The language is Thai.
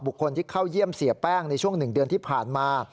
คนที่เข้าเยี่ยมเสียแป้งในช่วง๑เดือนที่ผ่านมา